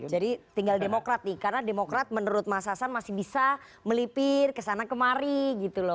tinggal demokrat nih karena demokrat menurut mas hasan masih bisa melipir kesana kemari gitu loh